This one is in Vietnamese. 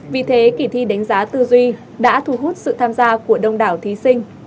vì thế kỳ thi đánh giá tư duy đã thu hút sự tham gia của đông đảo thí sinh